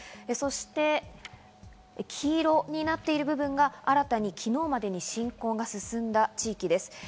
そして黄色になっている部分が新たに昨日までに侵攻が進んだ地域です。